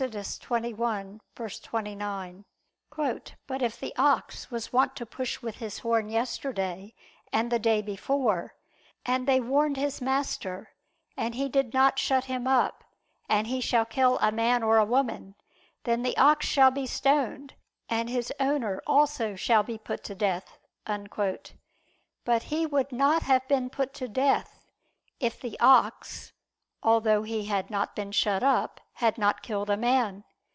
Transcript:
21:29): "But if the ox was wont to push with his horn yesterday and the day before, and they warned his master, and he did not shut him up, and he shall kill a man or a woman, then the ox shall be stoned, and his owner also shall be put to death." But he would not have been put to death, if the ox, although he had not been shut up, had not killed a man.